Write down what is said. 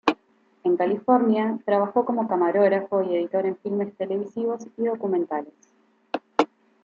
En California, trabajó como camarógrafo y editor en filmes televisivos y documentales.